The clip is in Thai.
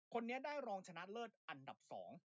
คนนี้ได้รองชนะเลิศอันดับสอง